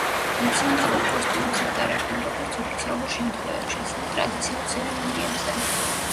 ნაციონალურ კოსტუმებს ატარებენ, როგორც ოფიციალურ შემთხვევებში, ასევე ტრადიციულ ცერემონიებზე.